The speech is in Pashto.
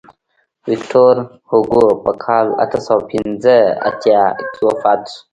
ویکتور هوګو په کال اته سوه پنځه اتیا کې وفات شو.